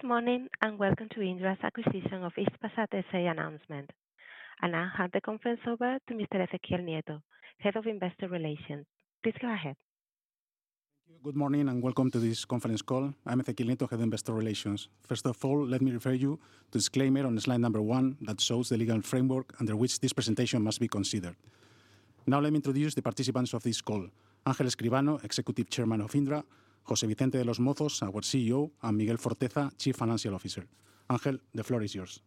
Good morning and welcome to Indra's acquisition of Hisdesat announcement, and I'll hand the conference over to Mr. Ezequiel Nieto, Head of Investor Relations. Please go ahead. Good morning and welcome to this conference call. I'm Ezequiel Nieto, Head of Investor Relations. First of all, let me refer you to the disclaimer on slide number one that shows the legal framework under which this presentation must be considered. Now let me introduce the participants of this call:, Executive ChairMarc Murtra (Verify Audio)man of Indra; José Vicente de los Mozos, our CEO; and Miguel Forteza, Chief Financial Officer. Ángel, the floor is yours.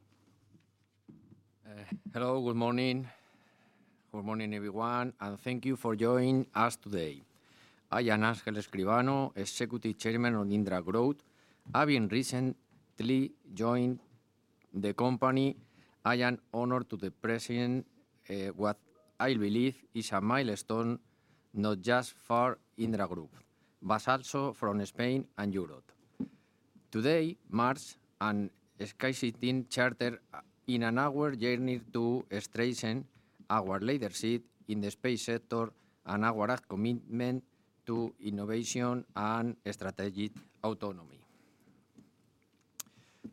Hello, good morning. Good morning, everyone, and thank you for joining us today. I am Marc Murtra(Verify Audio)Executive Chairman of Indra Group. I recently joined the company. I am honored to be present with, I believe, a milestone not just for Indra Group, but also for Spain and Europe. Today marks Startical in our journey to strengthen our leadership in the space sector and our commitment to innovation and strategic autonomy.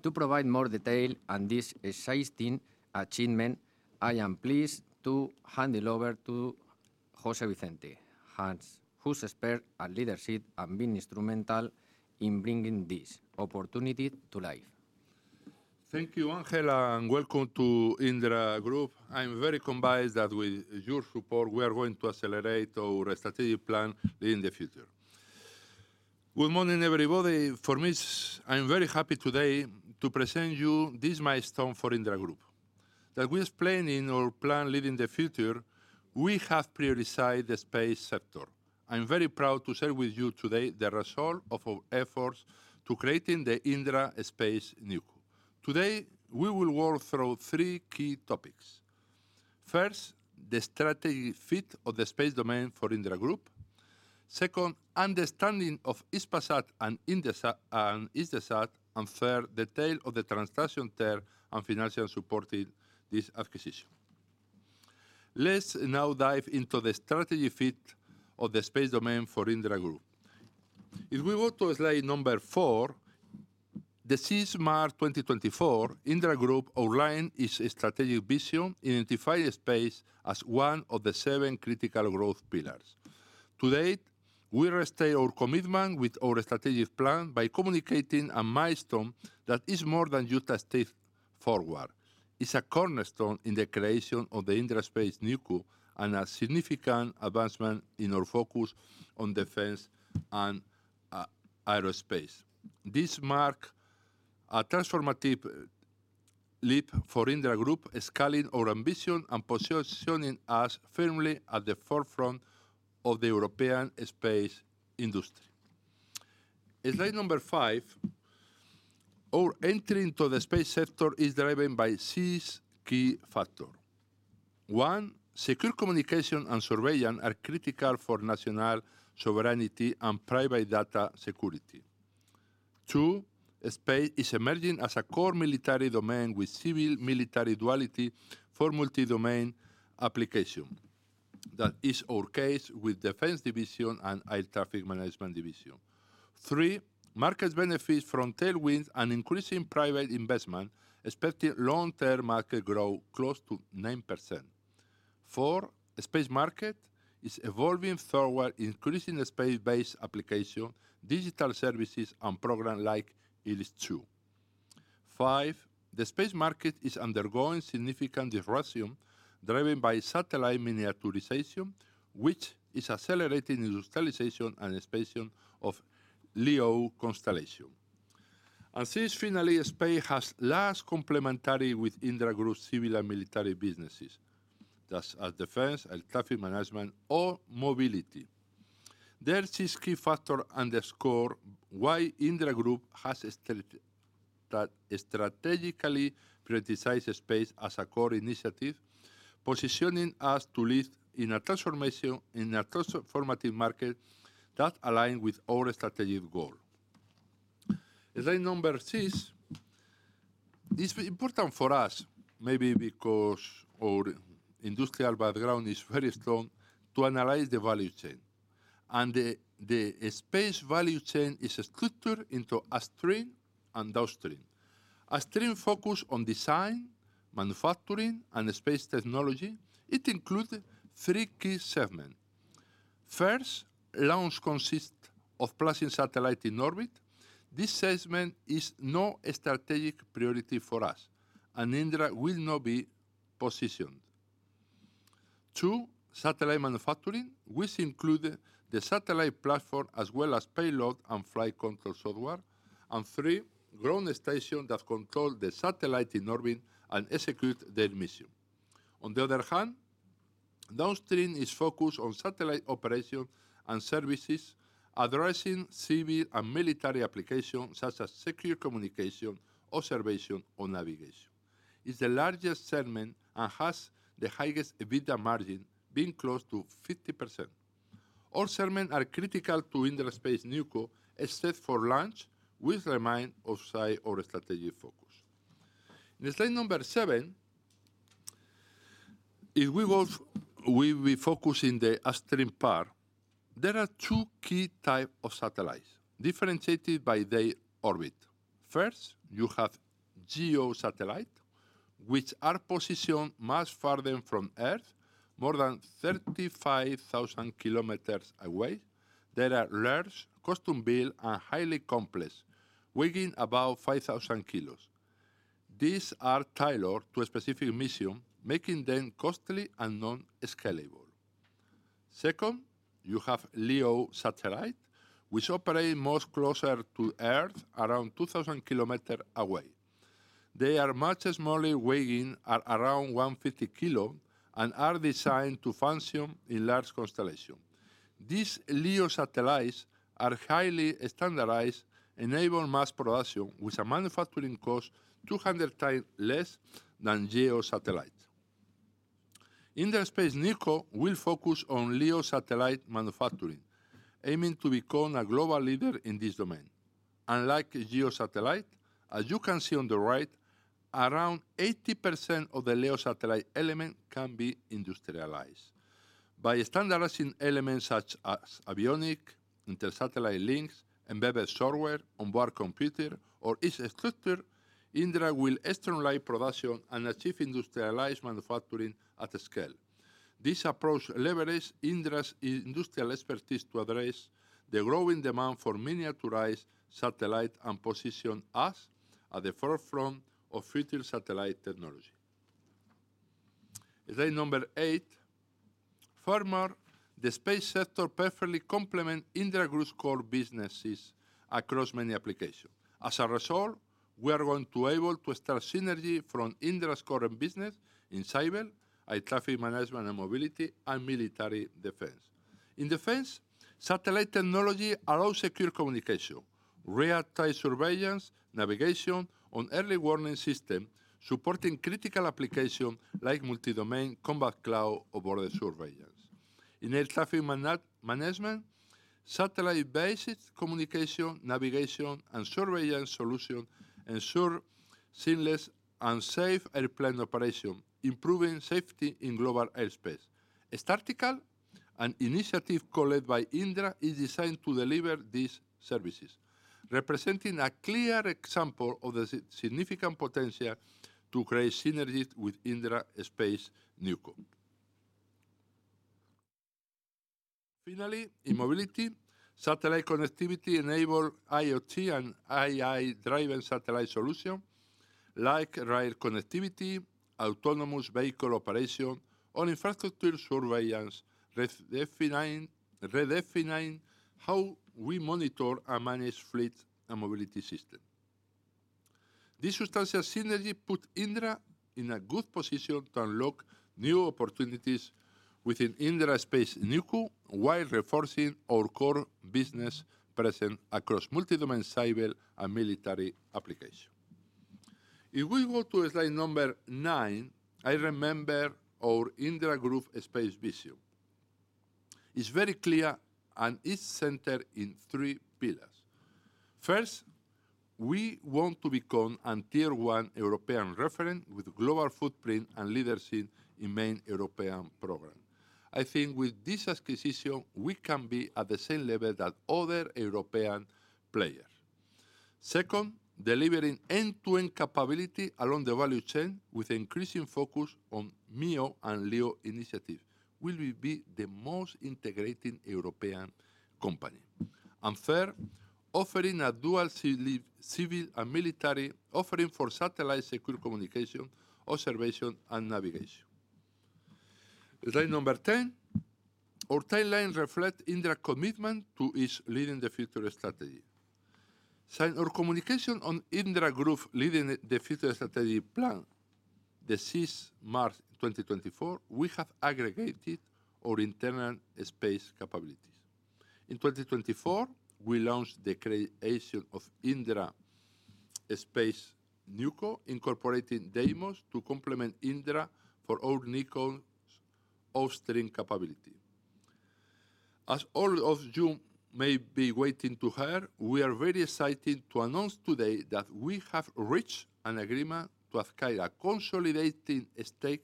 To provide more detail on this exciting achievement, I am pleased to hand it over to José Vicente de los Mozos, who spent leadership and has been instrumental in bringing this opportunity to life. Thank you, Ángel, and welcome to Indra Group. I'm very convinced that with your support, we are going to accelerate our strategic plan in the future. Good morning, everybody. For me, I'm very happy today to present to you this milestone for Indra Group. As we explained in our plan Leading the Future, we have prioritized the space sector. I'm very proud to share with you today the result of our efforts to create the Indra Space NewCo. Today, we will work through three key topics. First, the strategic fit of the space domain for Indra Group. Second, understanding of Hispasat and Hisdesat, and third, the details of the transaction and financial supporting this acquisition. Let's now dive into the strategic fit of the space domain for Indra Group. If we go to slide number four, this is March 2024. Indra Group outlines its strategic vision, identifying space as one of the seven critical growth pillars. To date, we restate our commitment with our strategic plan by communicating a milestone that is more than just a step forward. It's a cornerstone in the creation of the Indra Space NewCo and a significant advancement in our focus on defense and aerospace. This marks a transformative leap for Indra Group, scaling our ambition and positioning us firmly at the forefront of the European space industry. Slide number five, our entry into the space sector is driven by six key factors. One, secure communication and surveillance are critical for national sovereignty and private data security. Two, space is emerging as a core military domain with civil-military duality for multi-domain application. That is our case with Defense Division and Air Traffic Management Division. Three, market benefits from tailwinds and increasing private investment, expecting long-term market growth close to 9%. Four, the space market is evolving forward, increasing space-based applications, digital services, and programs like IRIS². Five, the space market is undergoing significant disruption driven by satellite miniaturization, which is accelerating industrialization and expansion of LEO constellation. And, finally, space has large complementarity with Indra Group's civil and military businesses, such as defense, air traffic management, or mobility. These key factors underscore why Indra Group has strategically prioritized space as a core initiative, positioning us to lead in a transformative market that aligns with our strategic goal. Slide number six is important for us, maybe because our industrial background is very strong, to analyze the value chain. And the space value chain is structured into an upstream and downstream. An upstream focused on design, manufacturing, and space technology. It includes three key segments. First, launch consists of placing satellites in orbit. This segment is not a strategic priority for us, and Indra will not be positioned. Two, satellite manufacturing, which includes the satellite platform as well as payload and flight control software. And three, ground stations that control the satellites in orbit and execute their mission. On the other hand, downstream is focused on satellite operations and services, addressing civil and military applications such as secure communication, observation, or navigation. It's the largest segment and has the highest EBITDA margin, being close to 50%. All segments are critical to Indra Space NewCo, except for launch, which remains outside our strategic focus. In slide number seven, if we focus on the upstream part, there are two key types of satellites differentiated by their orbit. First, you have GEO satellites, which are positioned much farther from Earth, more than 35,000 km away. They are large, custom-built, and highly complex, weighing about 5,000 kilos. These are tailored to a specific mission, making them costly and non-scalable. Second, you have LEO satellites, which operate much closer to Earth, around 2,000 kilometers away. They are much smaller, weighing around 150 kilos, and are designed to function in large constellations. These LEO satellites are highly standardized, enabling mass production, with a manufacturing cost 200 times less than geosatellites. Indra Space NewCo will focus on LEO satellite manufacturing, aiming to become a global leader in this domain. Unlike geosatellites, as you can see on the right, around 80% of the LEO satellite elements can be industrialized. By standardizing elements such as avionics, inter-satellite links, embedded software, onboard computers, or its structure, Indra will externalize production and achieve industrialized manufacturing at scale. This approach leverages Indra's industrial expertise to address the growing demand for miniaturized satellites and position us at the forefront of future satellite technology. Slide number eight. Further, the space sector perfectly complements Indra Group's core businesses across many applications. As a result, we are going to be able to start synergy from Indra's current business in cyber, air traffic management and mobility, and military defense. In defense, satellite technology allows secure communication, real-time surveillance, navigation, and early warning systems, supporting critical applications like multi-domain combat cloud or border surveillance. In air traffic management, satellite-based communication, navigation, and surveillance solutions ensure seamless and safe airplane operations, improving safety in global airspace. Strategic initiative co-led by Indra is designed to deliver these services, representing a clear example of the significant potential to create synergy with Indra Space NewCo. Finally, in mobility, satellite connectivity enables IoT and AI-driven satellite solutions like rail connectivity, autonomous vehicle operation, or infrastructure surveillance, redefining how we monitor and manage fleet and mobility systems. This substantial synergy puts Indra in a good position to unlock new opportunities within Indra Space NewCo while reinforcing our core business presence across multi-domain cyber and military applications. If we go to slide number nine, I remember our Indra Group space vision. It's very clear and is centered in three pillars. First, we want to become a tier-one European reference with a global footprint and leadership in main European programs. I think with this acquisition, we can be at the same level as other European players. Second, delivering end-to-end capability along the value chain with increasing focus on MEO and LEO initiatives. We will be the most integrated European company. And third, offering a dual civil and military offering for satellite secure communication, observation, and navigation. Slide number ten. Our timeline reflects Indra's commitment to leading the future strategy. Since our communication on Indra Group's leading the future strategy plan, this is March 2024, we have aggregated our internal space capabilities. In 2024, we launched the creation of Indra Space NewCo, incorporating Deimos to complement Indra for our NewCo upstream capability. As all of you may be waiting to hear, we are very excited to announce today that we have reached an agreement to acquire a consolidating stake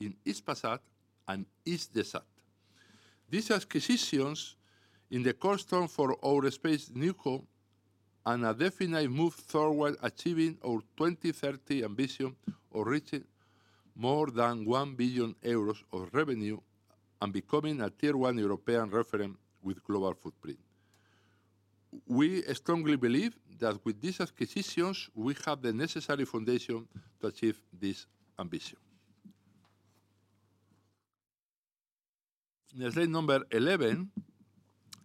in Hispasat and Hisdesat. These acquisitions in the cornerstone for our space NewCo are a definite move forward, achieving our 2030 ambition of reaching more than 1 billion euros of revenue and becoming a tier-one European reference with a global footprint. We strongly believe that with these acquisitions, we have the necessary foundation to achieve this ambition. In slide number 11,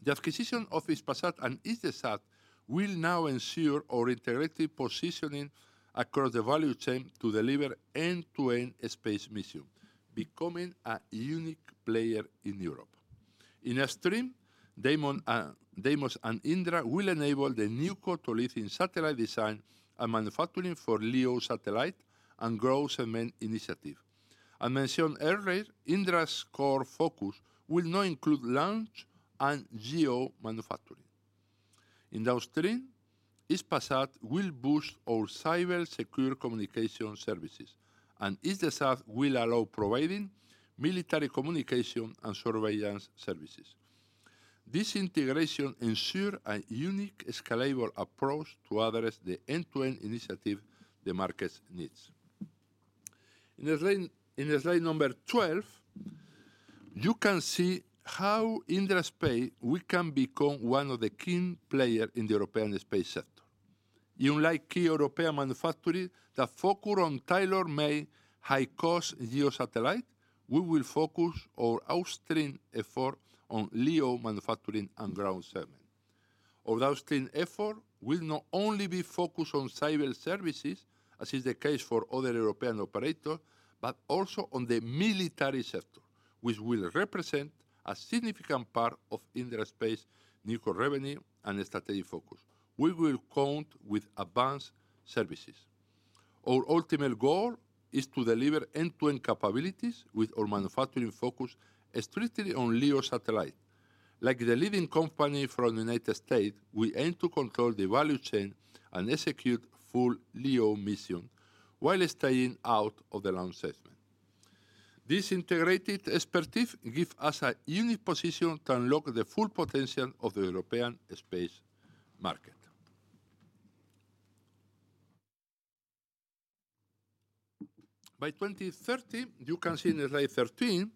the acquisition of Hispasat and Hisdesat will now ensure our integrated positioning across the value chain to deliver end-to-end space mission, becoming a unique player in Europe. In upstream, Deimos and Indra will enable the NewCo to lead in satellite design and manufacturing for LEO satellite and ground segment initiative. As mentioned earlier, Indra's core focus will now include launch and GEO manufacturing. In downstream, Hispasat will boost our cyber secure communication services, and Hisdesat will allow providing military communication and surveillance services. This integration ensures a unique scalable approach to address the end-to-end initiative the market needs. In slide number 12, you can see how Indra Space can become one of the key players in the European space sector. Unlike key European manufacturers that focus on tailor-made high-cost geosatellites, we will focus our upstream effort on LEO manufacturing and ground segment. Our downstream effort will not only be focused on cyber services, as is the case for other European operators, but also on the military sector, which will represent a significant part of Indra Space NewCo revenue and strategic focus. We will count on advanced services. Our ultimate goal is to deliver end-to-end capabilities with our manufacturing focus strictly on LEO satellites. Like the leading company from the United States, we aim to control the value chain and execute full LEO mission while staying out of the launch segment. This integrated expertise gives us a unique position to unlock the full potential of the European space market. By 2030, you can see in slide 13,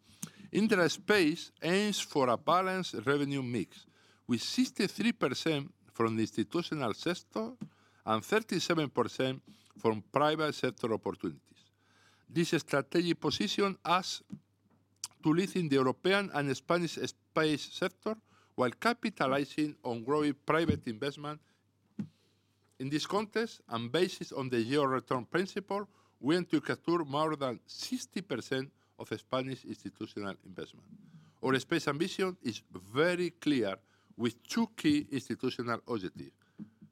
Indra Space aims for a balanced revenue mix with 63% from the institutional sector and 37% from private sector opportunities. This strategic position has to lead in the European and Spanish space sector while capitalizing on growing private investment. In this context, and based on the zero-return principle, we aim to capture more than 60% of Spanish institutional investment. Our space ambition is very clear with two key institutional objectives.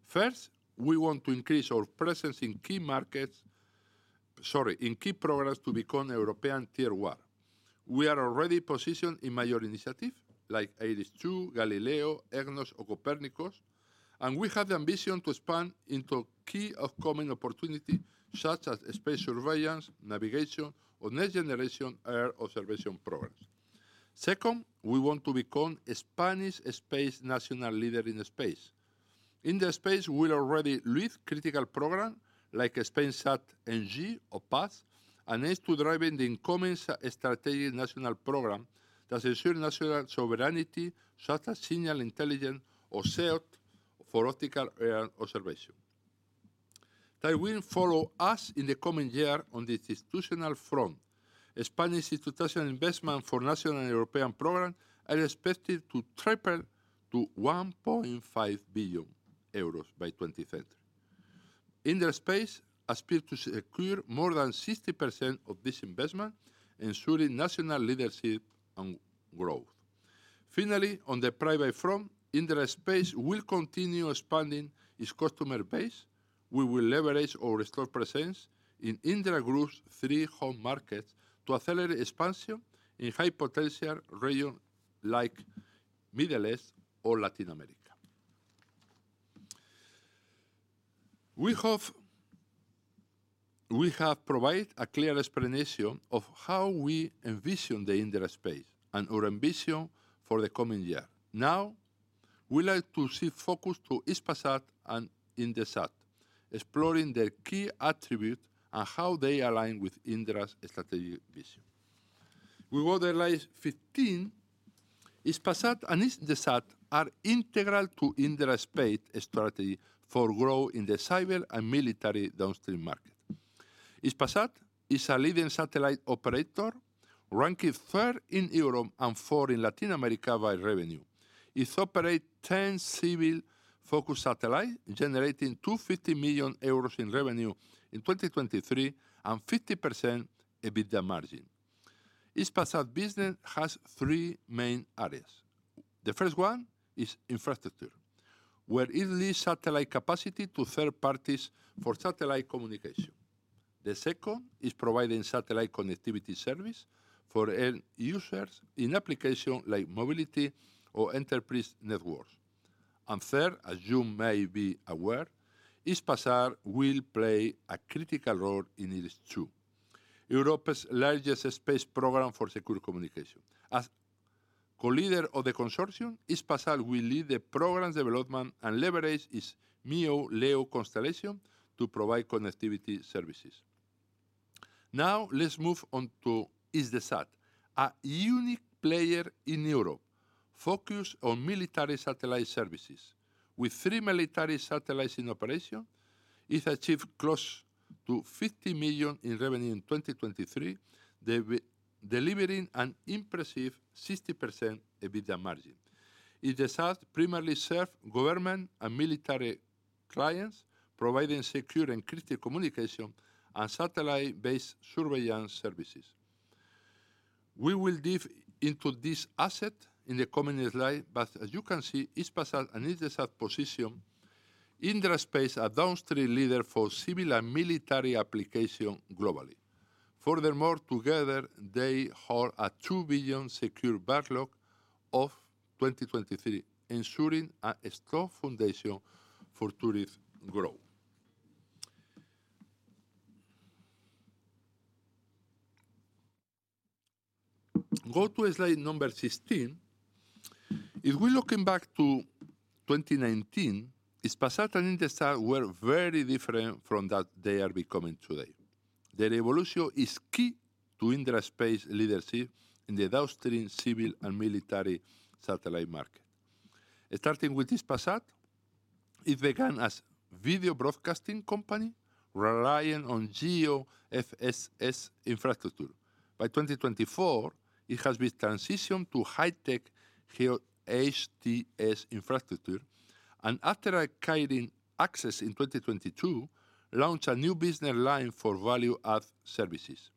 First, we want to increase our presence in key markets, sorry, in key programs to become European tier-one. We are already positioned in major initiatives like IRIS², Galileo, EGNOS, or Copernicus, and we have the ambition to expand into key upcoming opportunities such as space surveillance, navigation, or next-generation air observation programs. Second, we want to become a Spanish space national leader in space. Indra Space will already lead critical programs like SpainSat NG or Paz and aims to drive the incoming strategic national program that ensures national sovereignty, such as Signal Intelligence or SEOSAT for optical air observation. They will follow us in the coming years on the institutional front. Spanish institutional investment for national and European programs is expected to triple to 1.5 billion euros by 2030. Indra Space aspires to secure more than 60% of this investment, ensuring national leadership and growth. Finally, on the private front, Indra Space will continue expanding its customer base. We will leverage our strong presence in Indra Group's three home markets to accelerate expansion in high-potential regions like the Middle East or Latin America. We have provided a clear explanation of how we envision Indra Space and our ambition for the coming years. Now, we'd like to shift focus to Hispasat and Hisdesat, exploring their key attributes and how they align with Indra's strategic vision. We will analyze. Hispasat and Hisdesat are integral to Indra Space's strategy for growth in the cyber and military downstream market. Hispasat is a leading satellite operator, ranking third in Europe and fourth in Latin America by revenue. It operates 10 civil-focused satellites, generating 250 million euros in revenue in 2023 and 50% EBITDA margin. Hispasat's business has three main areas. The first one is infrastructure, where it leases satellite capacity to third parties for satellite communication. The second is providing satellite connectivity service for end users in applications like mobility or enterprise networks. And third, as you may be aware, Hispasat will play a critical role in IRIS², Europe's largest space program for secure communication. As co-leader of the consortium, Hispasat will lead the program development and leverage its MEO/LEO constellation to provide connectivity services. Now, let's move on to Hisdesat, a unique player in Europe focused on military satellite services. With three military satellites in operation, it achieved close to 50 million in revenue in 2023, delivering an impressive 60% EBITDA margin. Hisdesat primarily serves government and military clients, providing secure and critical communication and satellite-based surveillance services. We will delve into this asset in the coming slides, but as you can see, Hispasat and Hisdesat's position. Indra Space is a downstream leader for civil and military applications globally. Furthermore, together, they hold a 2 billion secure backlog of 2023, ensuring a strong foundation for future growth. Go to slide number 16. If we look back to 2019, Hispasat and Hisdesat were very different from what they are becoming today. Their evolution is key to Indra Space's leadership in the downstream civil and military satellite market. Starting with Hispasat, it began as a video broadcasting company relying on geo FSS infrastructure. By 2024, it has been transitioned to high-tech HTS infrastructure and, after acquiring Axess in 2022, launched a new business line for value-add services.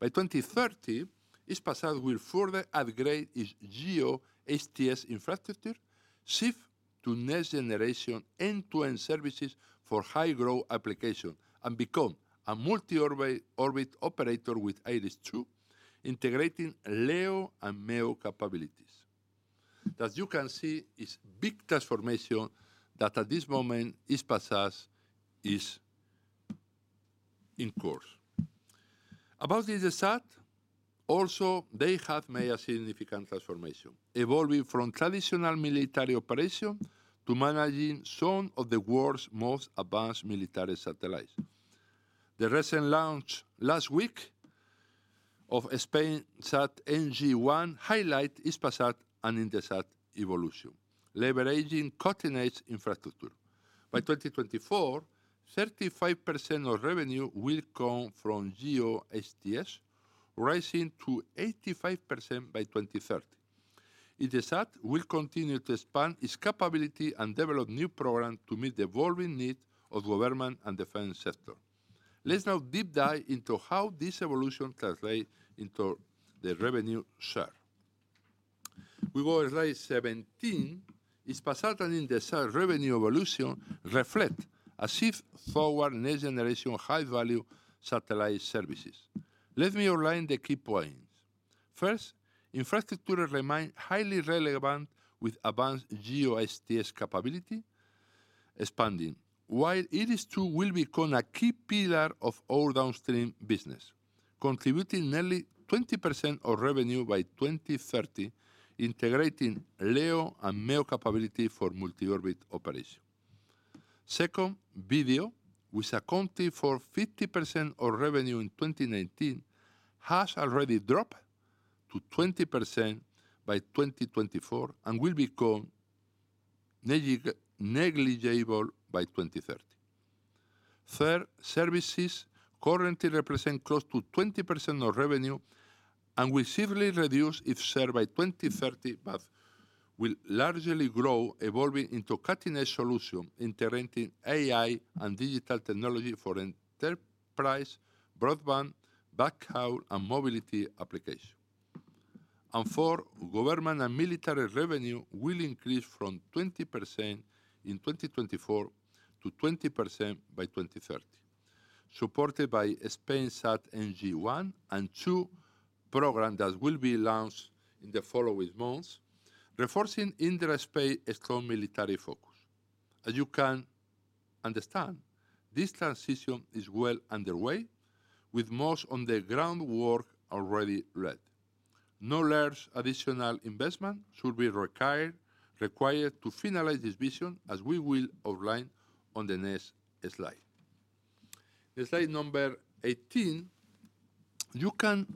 By 2030, Hispasat will further upgrade its geo HTS infrastructure, shifting to next-generation end-to-end services for high-growth applications and becoming a multi-orbit operator with IRIS², integrating LEO and MEO capabilities. As you can see, it's a big transformation that, at this moment, Hispasat is in course. About Hisdesat, also, they have made a significant transformation, evolving from traditional military operations to managing some of the world's most advanced military satellites. The recent launch last week of SpainSat NG-1 highlights Hispasat and Hisdesat's evolution, leveraging cutting-edge infrastructure. By 2024, 35% of revenue will come from GEO HTS, rising to 85% by 2030. Hisdesat will continue to expand its capabilities and develop new programs to meet the evolving needs of the government and defense sector. Let's now deep dive into how this evolution translates into the revenue share. We go to slide 17. Hispasat and Hisdesat's revenue evolution reflects a shift toward next-generation high-value satellite services. Let me outline the key points. First, infrastructure remains highly relevant with advanced GEO HTS capability expanding, while IRIS² will become a key pillar of our downstream business, contributing nearly 20% of revenue by 2030, integrating LEO and MEO capabilities for multi-orbit operations. Second, video, which accounted for 50% of revenue in 2019, has already dropped to 20% by 2024 and will become negligible by 2030. Third, services currently represent close to 20% of revenue and will significantly reduce if shared by 2030, but will largely grow, evolving into a cutting-edge solution integrating AI and digital technology for enterprise broadband, backhaul, and mobility applications. And fourth, government and military revenue will increase from 20% in 2024 to 20% by 2030, supported by SpainSat NG-1 and 2 programs that will be launched in the following months, reinforcing Indra Space's strong military focus. As you can understand, this transition is well underway, with most of the groundwork already laid. No large additional investment should be required to finalize this vision, as we will outline on the next slide. In slide number 18, you can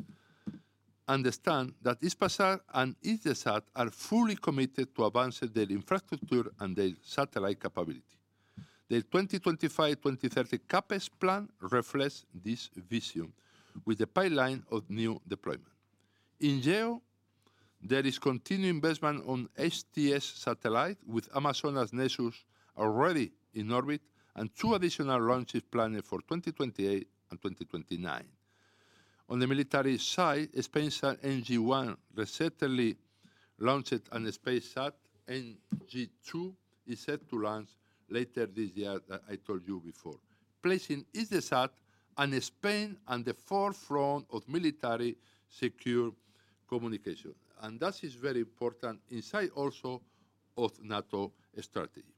understand that Hispasat and Hisdesat are fully committed to advancing their infrastructure and their satellite capability. Their 2025-2030 CapEx plan reflects this vision, with a pipeline of new deployments. In GEO, there is continued investment in HTS satellites, with Amazonas Nexus already in orbit and two additional launches planned for 2028 and 2029. On the military side, SpainSat NG-1 recently launched, and SpainSat NG-2 is set to launch later this year, as I told you before, placing Hisdesat and Spain at the forefront of military secure communications. And that is very important inside also of NATO strategy.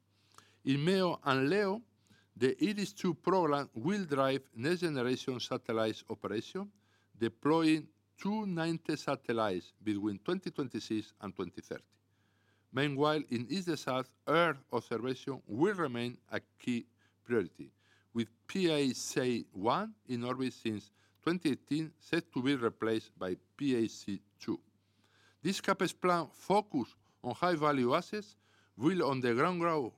In MEO and LEO, the IRIS² program will drive next-generation satellite operations, deploying two non-GEO satellites between 2026 and 2030. Meanwhile, in Hisdesat, Earth observation will remain a key priority, with Paz-1 in orbit since 2018 set to be replaced by Paz-2. This CapEx plan, focused on high-value assets, will undergo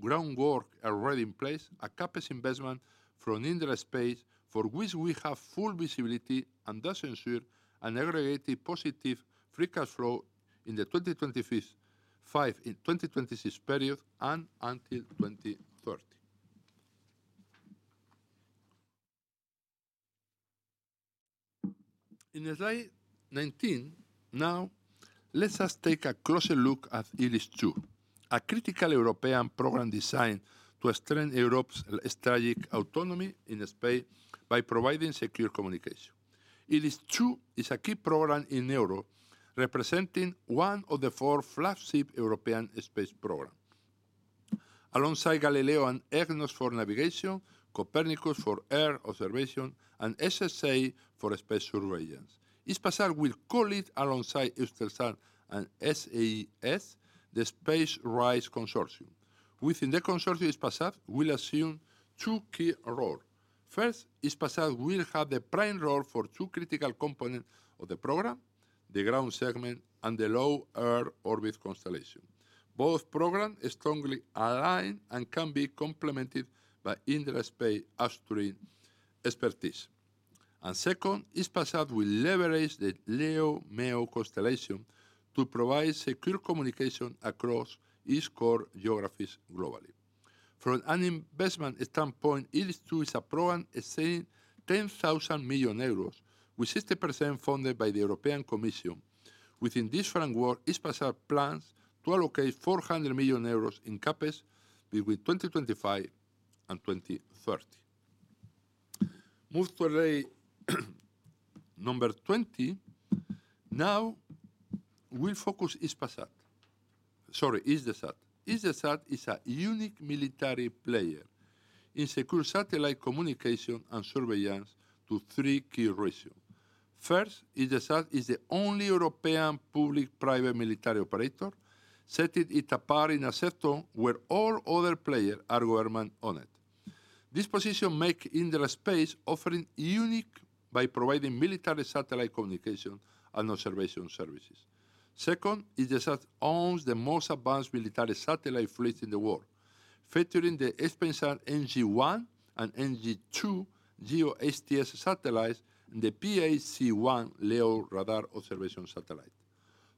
groundwork already in place, a CapEx investment from Indra Space for which we have full visibility and thus ensure an aggregated positive free cash flow in the 2025-2026 period and until 2030. In slide 19, now, let us take a closer look at IRIS², a critical European program designed to strengthen Europe's strategic autonomy in space by providing secure communications. IRIS² is a key program in Europe, representing one of the four flagship European space programs. Alongside Galileo and EGNOS for navigation, Copernicus for Earth observation, and SSA for space surveillance, Hispasat will co-lead, alongside Hisdesat and SES, the SpaceRISE Consortium. Within the consortium, Hispasat will assume two key roles. First, Hispasat will have the prime role for two critical components of the program: the ground segment and the low Earth orbit constellation. Both programs are strongly aligned and can be complemented by Indra Space's aeronautic expertise. And second, Hispasat will leverage the LEO/MEO constellation to provide secure communication across its core geographies globally. From an investment standpoint, IRIS² is a program estimated at 10,000 million euros, with 60% funded by the European Commission. Within this framework, Hispasat plans to allocate 400 million euros in Capex between 2025 and 2030. Move to slide number 20. Now, we'll focus on Hisdesat. Sorry, Ezequiel. Hisdesat is a unique military player in secure satellite communication and surveillance to three key reasons. First, Hisdesat is the only European public-private military operator, setting it apart in a sector where all other players are government-owned. This position makes Indra Space offer unique opportunities by providing military satellite communication and observation services. Second, Hisdesat owns the most advanced military satellite fleet in the world, featuring the Spainsat NG-1 and NG-2 GEO HTS satellites and the Paz-1 LEO radar observation satellite.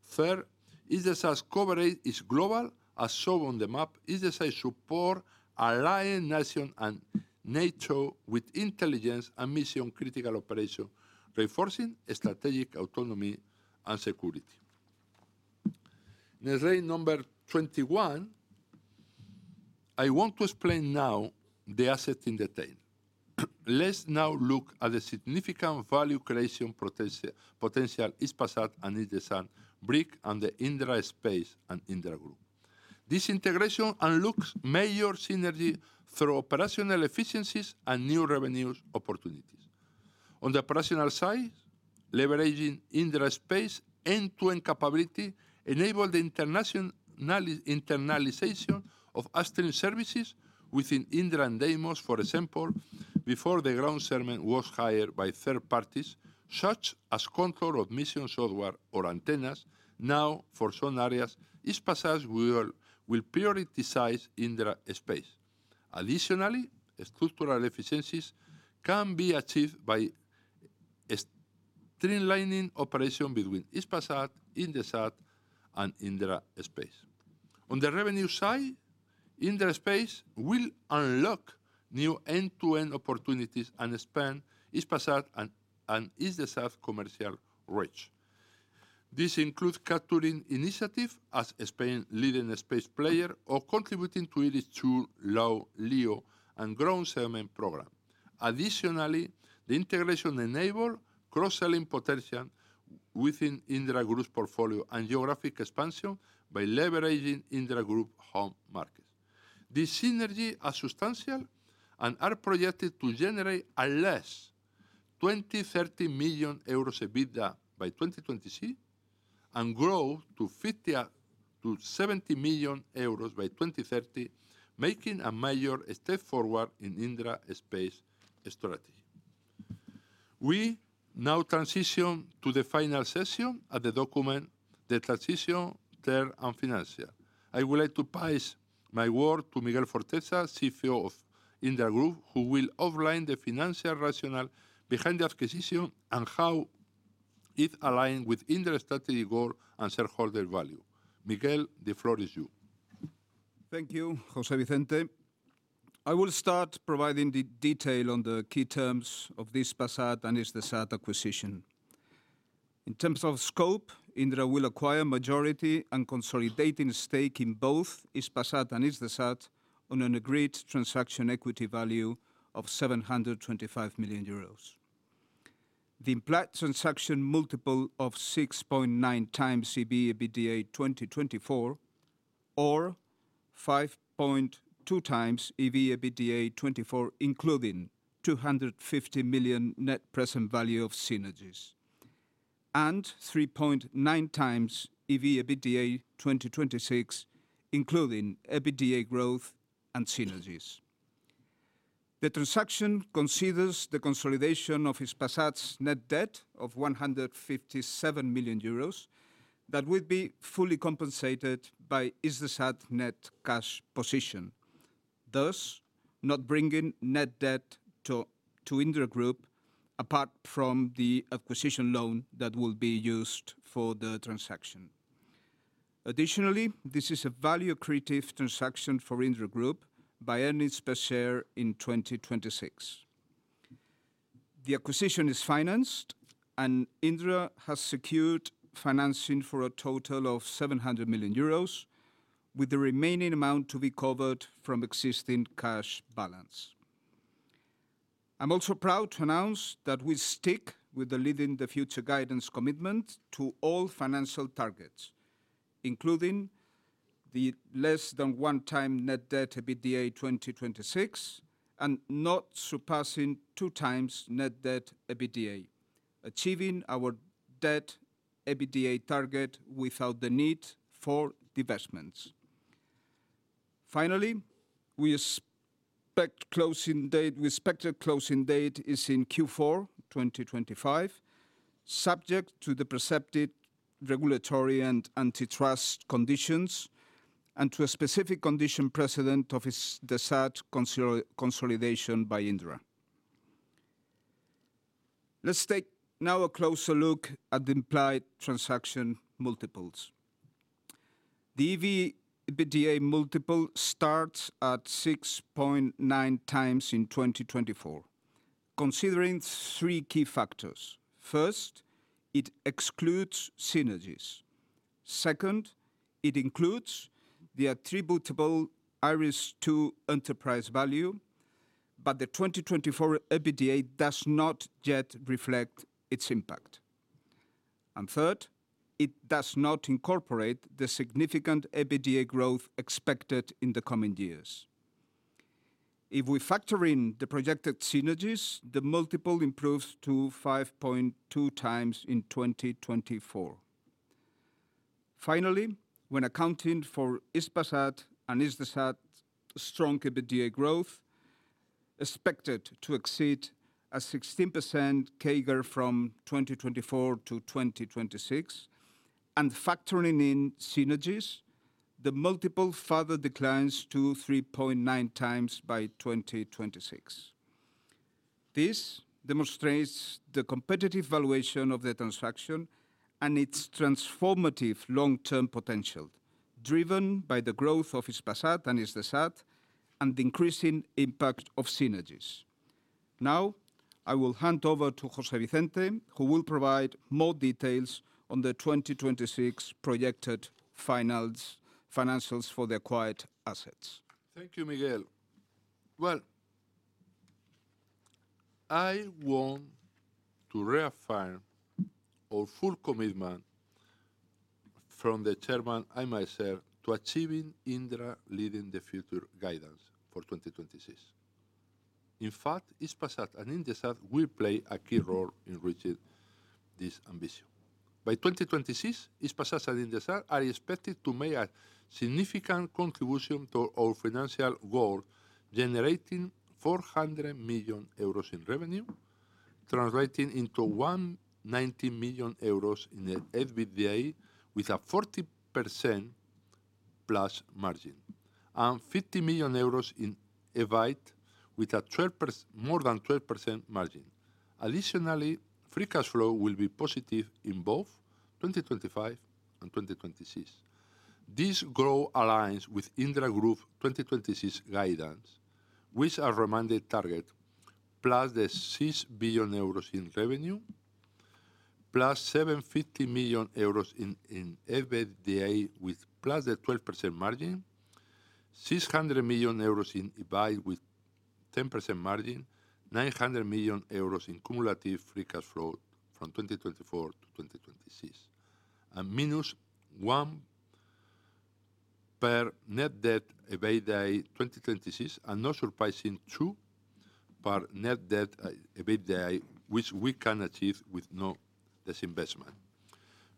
Third, Hisdesat's coverage is global, as shown on the map. Hisdesat supports allied nations and NATO with intelligence and mission-critical operations, reinforcing strategic autonomy and security. In slide number 21, I want to explain now the assets in detail. Let's now look at the significant value creation potential Hispasat and Hisdesat bring to Indra Space and Indra Group. This integration unlocks major synergies through operational efficiencies and new revenue opportunities. On the operational side, leveraging Indra Space's end-to-end capability enables the internationalization of astronaut services within Indra and SES, for example, before the ground segment was hired by third parties, such as control of mission software or antennas. Now, for some areas, Hispasat will prioritize Indra Space. Additionally, structural efficiencies can be achieved by streamlining operations between Hispasat, Hisdesat, and Indra Space. On the revenue side, Indra Space will unlock new end-to-end opportunities and expand Hispasat and Hisdesat's commercial reach. This includes capturing initiatives as Spain's leading space player or contributing to IRIS², LEO, and ground segment programs. Additionally, the integration enables cross-selling potential within Indra Group's portfolio and geographic expansion by leveraging Indra Group's home markets. This synergy is substantial and is projected to generate at least 20-30 million euros EBITDA by 2026 and grow to 50-70 million euros by 2030, making a major step forward in Indra Space's strategy. We now transition to the final section of the document, the transition, term, and financial. I would like to pass my word to Miguel Forteza, CFO of Indra Group, who will outline the financial rationale behind the acquisition and how it aligns with Indra's strategic goal and shareholder value. Miguel, the floor is you. Thank you, José Vicente. I will start providing the detail on the key terms of the Hispasat and Hisdesat acquisition. In terms of scope, Indra will acquire a majority and consolidate its stake in both Hispasat and Hisdesat on an agreed transaction equity value of 725 million euros. The implied transaction multiple of 6.9 times EV/EBITDA 2024 or 5.2 times EV/EBITDA 2024, including 250 million net present value of synergies, and 3.9 times EV/EBITDA 2026, including EBITDA growth and synergies. The transaction considers the consolidation of Hispasat's net debt of 157 million euros that would be fully compensated by Hisdesat's net cash position, thus not bringing net debt to Indra Group apart from the acquisition loan that will be used for the transaction. Additionally, this is a value-creating transaction for Indra Group by being EPS accretive in 2026. The acquisition is financed, and Indra has secured financing for a total of 700 million euros, with the remaining amount to be covered from existing cash balance. I'm also proud to announce that we stick with the Leading the Future guidance commitment to all financial targets, including the less than one times net debt to EBITDA in 2026 and not surpassing two times net debt to EBITDA, achieving our net debt to EBITDA target without the need for divestments. Finally, we expect the closing date is in Q4 2025, subject to the expected regulatory and antitrust conditions and to a specific condition precedent of Hisdesat's consolidation by Indra. Let's take now a closer look at the implied transaction multiples. The EV/EBITDA multiple starts at 6.9 times in 2024, considering three key factors. First, it excludes synergies. Second, it includes the attributable IRIS² enterprise value, but the 2024 EBITDA does not yet reflect its impact. And third, it does not incorporate the significant EBITDA growth expected in the coming years. If we factor in the projected synergies, the multiple improves to 5.2 times in 2024. Finally, when accounting for Hispasat and Hisdesat's strong EBITDA growth, expected to exceed a 16% CAGR from 2024 to 2026, and factoring in synergies, the multiple further declines to 3.9 times by 2026. This demonstrates the competitive valuation of the transaction and its transformative long-term potential, driven by the growth of Hispasat and Hisdesat and the increasing impact of synergies. Now, I will hand over to José Vicente, who will provide more details on the 2026 projected financials for the acquired assets. Thank you, Miguel. Well, I want to reaffirm our full commitment from the chairman and myself to achieving Indra Leading the Future guidance for 2026. In fact, Hispasat and Hisdesat will play a key role in reaching this ambition. By 2026, Hispasat and Hisdesat are expected to make a significant contribution to our financial goal, generating 400 million euros in revenue, translating into 190 million euros in EBITDA with a 40% plus margin, and 50 million euros in EBIT with a 12% more than 12% margin. Additionally, free cash flow will be positive in both 2025 and 2026. This growth aligns with Indra Group's 2026 guidance, which is a recommended target, plus 6 billion euros in revenue, plus 750 million euros in EBITDA with the 12% margin, 600 million euros in EBIT with 10% margin, 900 million euros in cumulative free cash flow from 2024 to 2026, and minus 1x net debt to EBITDA 2026, and not surpassing 2x net debt to EBITDA, which we can achieve with no disinvestment.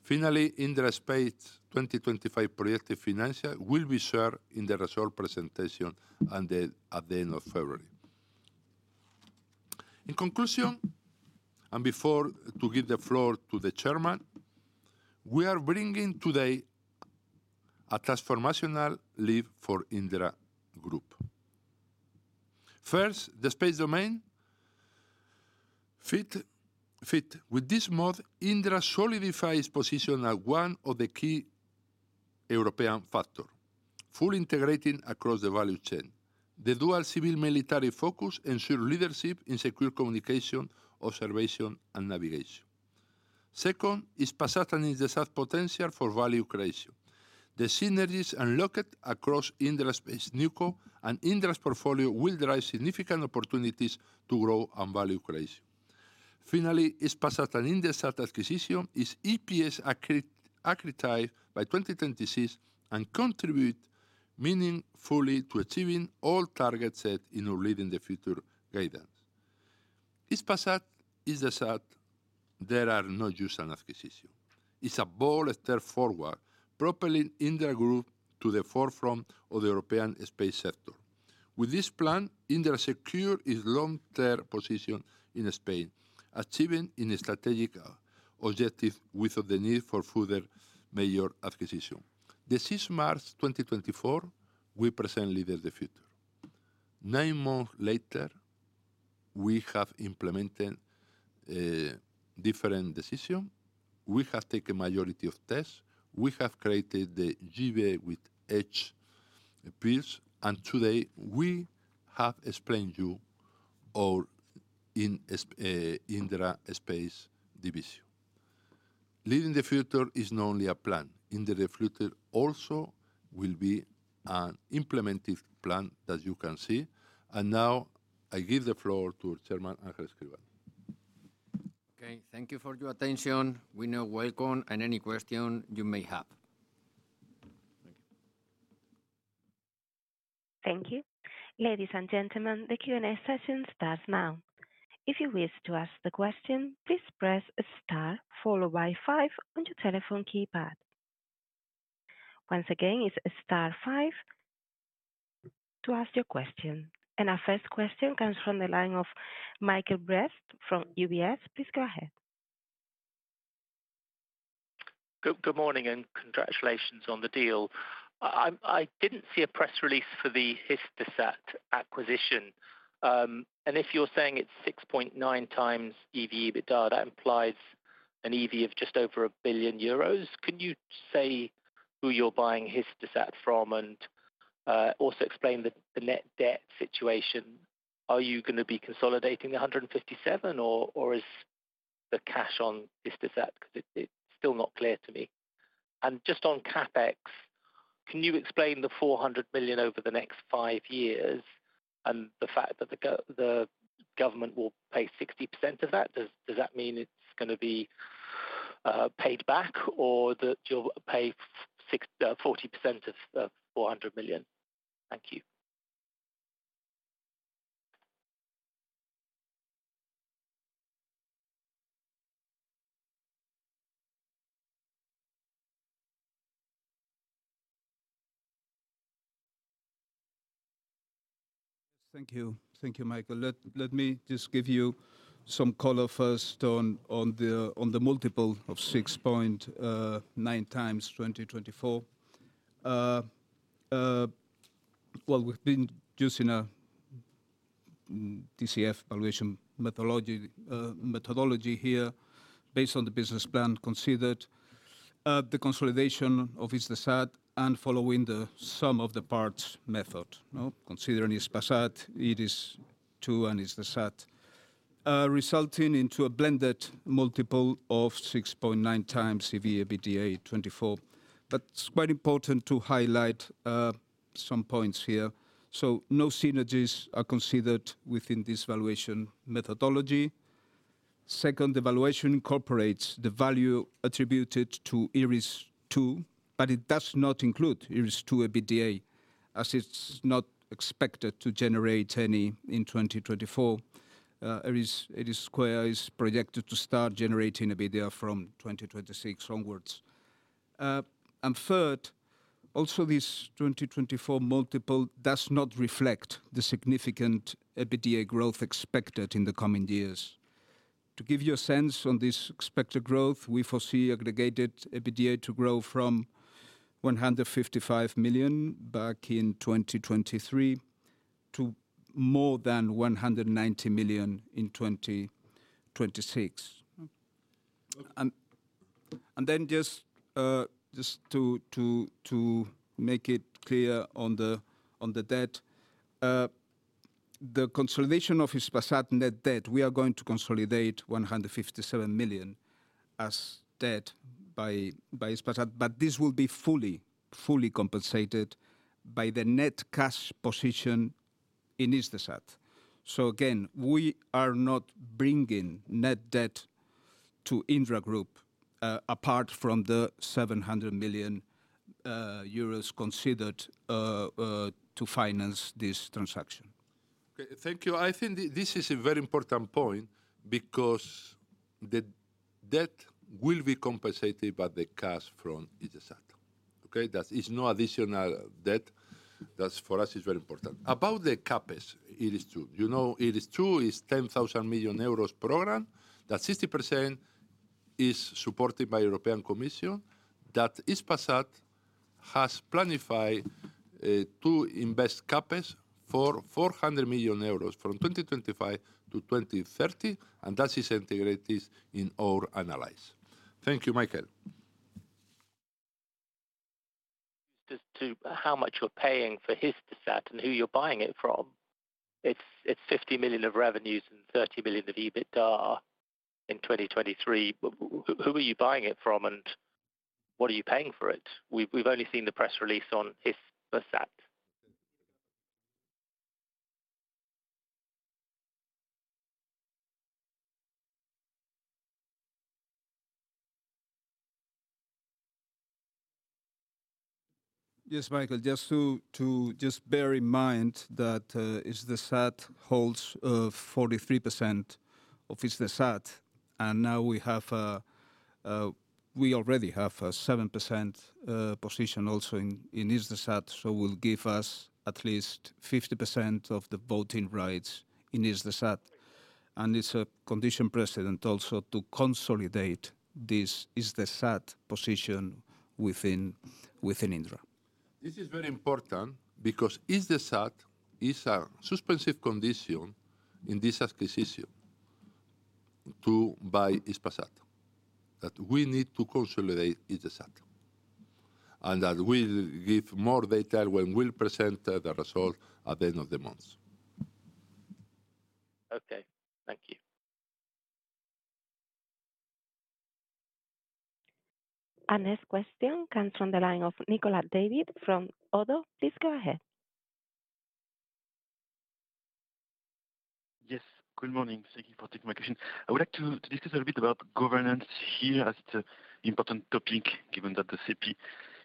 Finally, Indra Space's 2025 projected financials will be shared in the results presentation at the end of February. In conclusion, and before to give the floor to the chairman, we are bringing today a transformational leap for Indra Group. First, the space domain fit. With this move, Indra solidifies its position as one of the key European actors, fully integrating across the value chain. The dual civil-military focus ensures leadership in secure communication, observation, and navigation. Second, Hispasat and Hisdesat's potential for value creation. The synergies unlocked across Indra Space's new core and Indra's portfolio will drive significant opportunities to grow and value creation. Finally, Hispasat and Hisdesat's acquisition is EPS-accretive by 2026 and contributes meaningfully to achieving all targets set in our Leading the Future guidance. Hispasat and Hisdesat. They're more than just an acquisition. It's a bold step forward, propelling Indra Group to the forefront of the European space sector. With this plan, Indra secures its long-term position in Spain, achieving a strategic objective without the need for further major acquisitions. On the sixth March 2024, we presented Leading the Future. Nine months later, we have implemented different decisions. We have taken a majority in TESS. We have created the JBA with HPS, and today we have explained to you our Indra Space division. Leading the Future is not only a plan. Leading the Future also will be an implemented plan that you can see. Now, I give the floor to Chairman Ángel Escribano. Okay, thank you for your attention. We now welcome any questions you may have. Thank you. Thank you. Ladies and gentlemen, the Q&A session starts now. If you wish to ask the question, please press a star followed by five on your telephone keypad. Once again, it's a star five to ask your question. Our first question comes from the line of Michael Briest from UBS. Please go ahead. Good morning and congratulations on the deal. I didn't see a press release for the Hispasat acquisition. If you're saying it's 6.9 times EV/EBITDA, that implies an EV of just over 1 billion euros. Can you say who you're buying Hispasat from and also explain the net debt situation? Are you going to be consolidating the 157 million, or is the cash on Hispasat? It's still not clear to me. And just on CapEx, can you explain the 400 million over the next five years and the fact that the government will pay 60% of that? Does that mean it's going to be paid back, or that you'll pay 40% of 400 million? Thank you. Yes, thank you. Thank you, Michael. Let me just give you some color first on the multiple of 6.9 times 2024. Well, we've been using a DCF valuation methodology here based on the business plan considered the consolidation of Hispasat and following the sum of the parts method. Considering Hispasat, it is two and Hispasat, resulting in a blended multiple of 6.9 times EV/EBITDA 24. But it's quite important to highlight some points here. So no synergies are considered within this valuation methodology. Second, the valuation incorporates the value attributed to IRIS², but it does not include IRIS² EBITDA, as it's not expected to generate any in 2024. IRIS² is projected to start generating EBITDA from 2026 onwards. Third, also this 2024 multiple does not reflect the significant EBITDA growth expected in the coming years. To give you a sense on this expected growth, we foresee aggregated EBITDA to grow from 155 million back in 2023 to more than 190 million in 2026. Then just to make it clear on the debt, the consolidation of Hispasat net debt, we are going to consolidate 157 million as debt by Hispasat, but this will be fully compensated by the net cash position in Hispasat. So again, we are not bringing net debt to Indra Group apart from the 700 million euros considered to finance this transaction. Okay, thank you. I think this is a very important point because the debt will be compensated by the cash from Hispasat. Okay? That is no additional debt. That's for us, it's very important. About the CapEx, IRIS². IRIS² is 10,000 million euros program. That 60% is supported by the European Commission. That Hispasat has planned to invest CapEx for 400 million euros from 2025 to 2030, and that is integrated in our analysis. Thank you, Michael. Just to how much you're paying for Hispasat and who you're buying it from. It's 50 million of revenues and 30 million of EBITDA in 2023. Who are you buying it from and what are you paying for it? We've only seen the press release on Hispasat. Yes, Michael, just to bear in mind that Hispasat holds 43% of Hispasat, and now we already have a 7% position also in Hispasat, so it will give us at least 50% of the voting rights in Hispasat. And it's a condition precedent also to consolidate this Hispasat position within Indra. This is very important because Hispasat is a suspensive condition in this acquisition to buy Hispasat. That we need to consolidate Hispasat. And that we will give more detail when we'll present the result at the end of the month. Okay, thank you. And this question comes from the line of Nicolas David from ODDO BHF. Please go ahead. Yes, good morning. Thank you for taking my question. I would like to discuss a little bit about governance here as it's an important topic given that the SEPI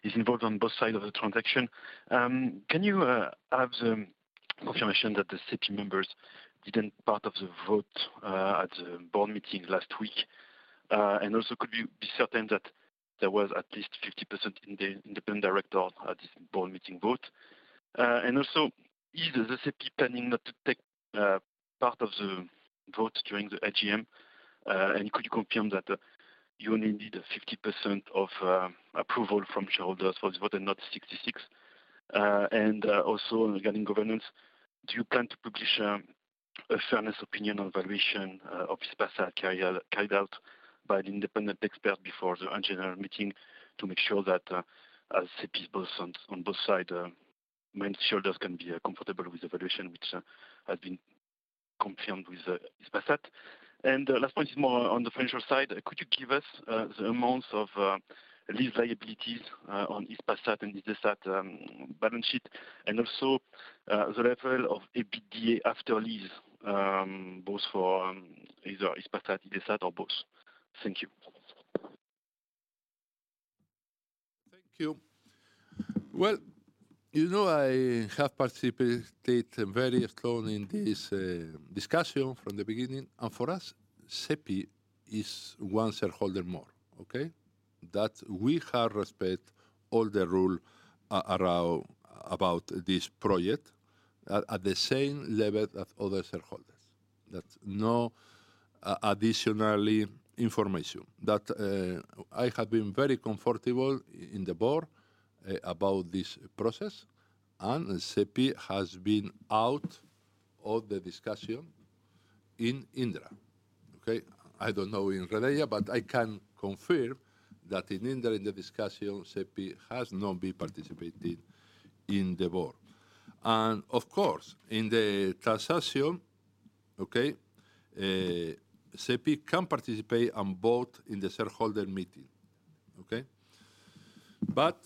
is involved on both sides of the transaction. Can you have the confirmation that the SEPI members didn't part of the vote at the board meeting last week? And also, could we be certain that there was at least 50% independent director at this board meeting vote? And also, is the SEPI planning not to take part of the vote during the AGM? And could you confirm that you only need 50% of approval from shareholders for this vote and not 66%? And also, regarding governance, do you plan to publish a fairness opinion on valuation of Hispasat carried out by the independent expert before the general meeting to make sure that, as SEPI is both on both sides, minority shareholders can be comfortable with the valuation, which has been confirmed with Hispasat? And the last point is more on the financial side. Could you give us the amounts of lease liabilities on Hispasat and Hispasat balance sheet? Also, the level of EBITDA after lease, both for either Hispasat, Hispasat, or both? Thank you. Thank you. Well, you know, I have participated very strongly in this discussion from the beginning. And for us, CP is one shareholder more, okay? That we have respect all the rule around about this project at the same level as other shareholders. That's no additional information. That I have been very comfortable in the board about this process, and CP has been out of the discussion in Indra. Okay? I don't know in Redeia, but I can confirm that in Indra, in the discussion, CP has not been participating in the board. And of course, in the transaction, okay, CP can participate on both in the shareholder meeting. Okay? But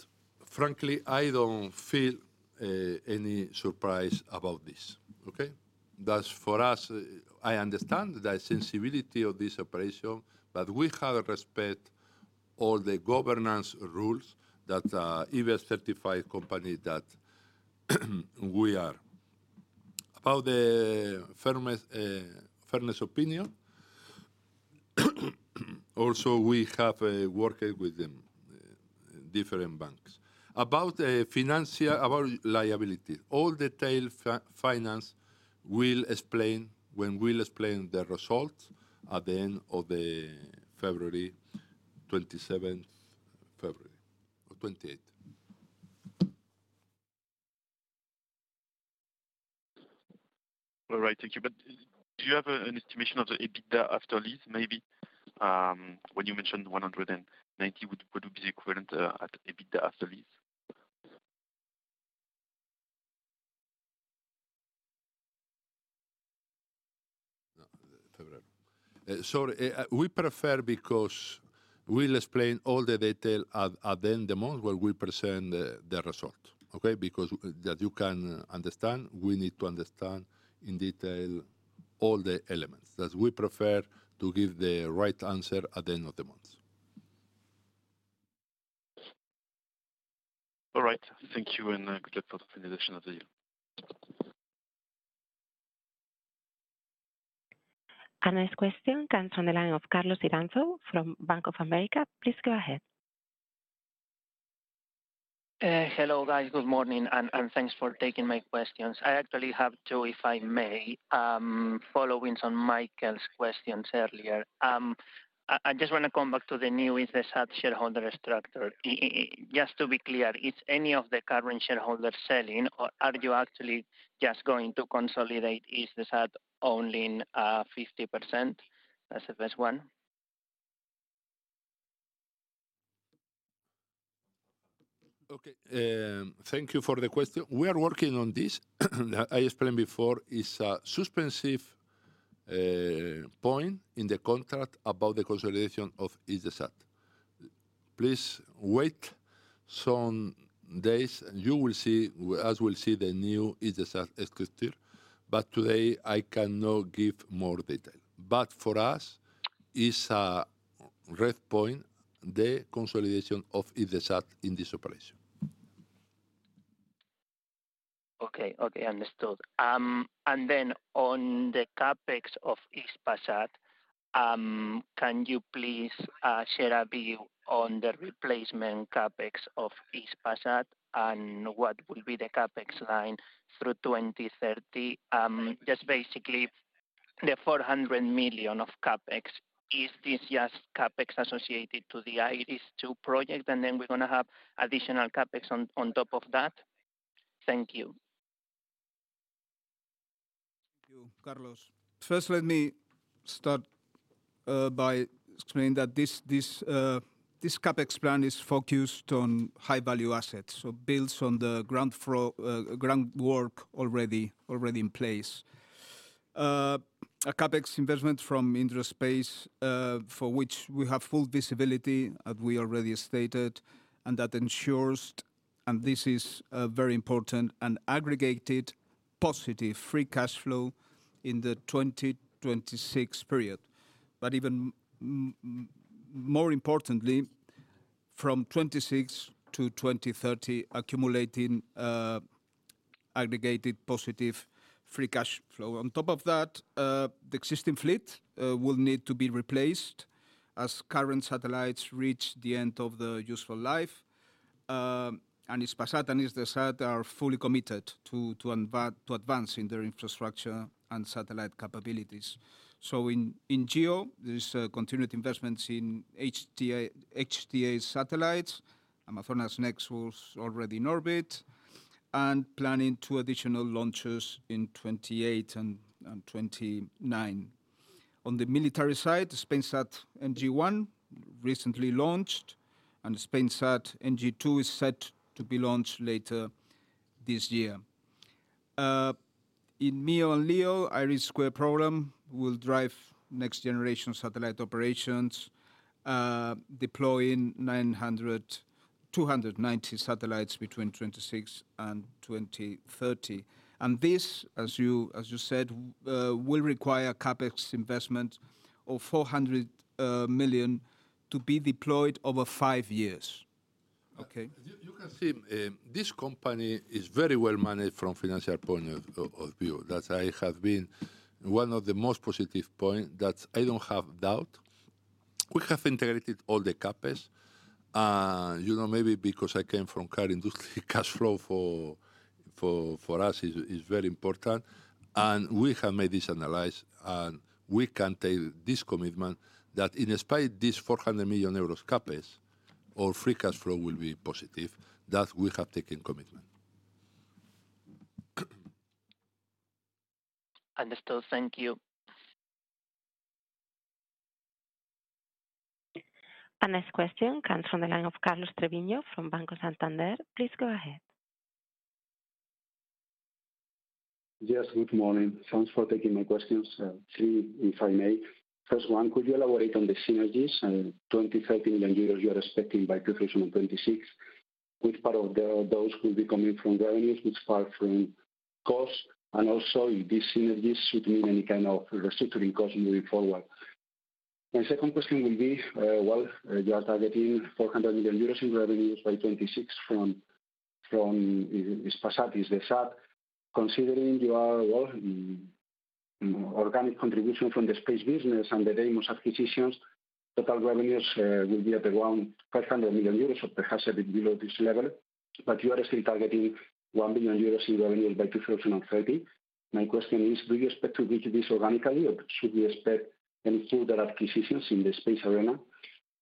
frankly, I don't feel any surprise about this. Okay? That's for us. I understand the sensitivity of this operation, but we have to respect all the governance rules that ESG-certified company that we are. About the fairness opinion, also we have worked with them in different banks. About liability, all detailed finance will explain when we'll explain the result at the end of February, 27th February or 28th. All right, thank you. But do you have an estimation of the EBITDA after lease, maybe? When you mentioned 190, what would be the equivalent at EBITDA after lease? Sorry, we prefer because we'll explain all the detail at the end of the month when we present the result. Okay? Because that you can understand, we need to understand in detail all the elements. That we prefer to give the right answer at the end of the month. All right. Thank you and good luck for the finalization of the deal. And this question comes from the line of Carlos Iranzo from Bank of America. Please go ahead. Hello guys, good morning and thanks for taking my questions. I actually have two, if I may, following on Michael's questions earlier. I just want to come back to the new Hispasat shareholder structure. Just to be clear, is any of the current shareholders selling or are you actually just going to consolidate Hispasat only 50% as the first one? Okay, thank you for the question. We are working on this. I explained before it's a suspensive point in the contract about the consolidation of Hispasat. Please wait some days and you will see, as we'll see the new Hispasat structure. But today, I cannot give more detail. But for us, it's a red point, the consolidation of Hispasat in this operation. Okay, okay, understood. And then on the CapEx of Hispasat, can you please share a view on the replacement CapEx of Hispasat and what will be the CapEx line through 2030? Just basically, the 400 million of CapEx, is this just CapEx associated to the IRIS² project and then we're going to have additional CapEx on top of that? Thank you. Thank you, Carlos. First, let me start by explaining that this CapEx plan is focused on high-value assets. So built on the groundwork already in place. A CapEx investment from Indra Space for which we have full visibility as we already stated and that ensures, and this is very important, an aggregated positive free cash flow in the 2026 period. But even more importantly, from 2026 to 2030, accumulating aggregated positive free cash flow. On top of that, the existing fleet will need to be replaced as current satellites reach the end of the useful life. And Hispasat and Hisdesat are fully committed to advance in their infrastructure and satellite capabilities. So in GEO, there's continued investments in HTS satellites. Amazonas Nexus is already in orbit and planning two additional launches in 2028 and 2029. On the military side, Spainsat NG-1 recently launched and Spainsat NG-2 is set to be launched later this year. In MEO and LEO, IRIS² program will drive next generation satellite operations, deploying 290 satellites between 2026 and 2030. And this, as you said, will require a Capex investment of 400 million to be deployed over five years. Okay? You can see this company is very well managed from a financial point of view. That I have been one of the most positive points that I don't have doubt. We have integrated all the CapEx. You know, maybe because I came from car industry, cash flow for us is very important. We have made this analysis and we can take this commitment that in spite of this 400 million euros CapEx or free cash flow will be positive, that we have taken commitment. Understood, thank you. And this question comes from the line of Carlos Treviño from Banco Santander. Please go ahead. Yes, good morning. Thanks for taking my questions. Three, if I may. First one, could you elaborate on the synergies and 20-30 million euros you are expecting by 2026? Which part of those will be coming from revenues, which part from cost, and also if these synergies should mean any kind of restructuring cost moving forward? My second question will be, well, you are targeting 400 million euros in revenues by 2026 from Hispasat. Considering your organic contribution from the space business and the famous acquisitions, total revenues will be at around 500 million euros or perhaps a bit below this level. But you are still targeting 1 billion euros in revenues by 2030. My question is, do you expect to reach this organically or should we expect any further acquisitions in the space arena?